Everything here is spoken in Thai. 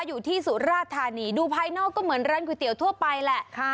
สุราธานีดูภายนอกก็เหมือนร้านก๋วยเตี๋ยวทั่วไปแหละ